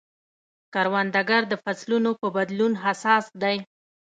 کروندګر د فصلونو په بدلون حساس دی